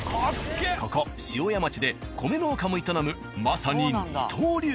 ここ塩谷町で米農家も営むまさに二刀流。